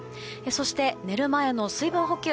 そして、寝る前の水分補給